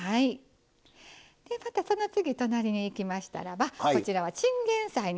その次隣にいきましたらばこちらはチンゲン菜になりますね。